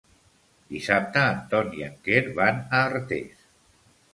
Dissabte en Ton i en Quer van a Artés.